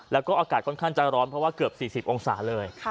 แล้วก็อากาศค่อนข้างจะร้อนเพราะว่าเกือบ๔๐องศาเลย